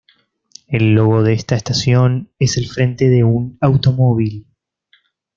El logo de esta estación es el frente de un automóvil.